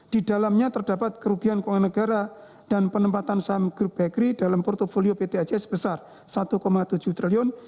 di dalamnya terdapat kerugian keuangan negara dan penempatan saham grup bakery dalam portfolio pt ac sebesar rp satu tujuh triliun